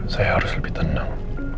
saya harus lebih tenang